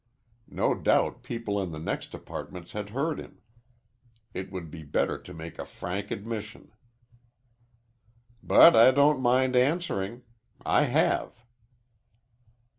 No doubt people in the next apartments had heard him. It would be better to make a frank admission. "But I don't mind answering. I have."